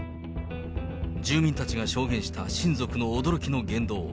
住民たちが証言した親族の驚きの言動。